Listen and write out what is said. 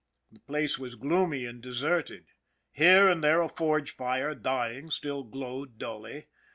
The place was gloomy and deserted. Here and there a forge fire, dying, still glowed dully.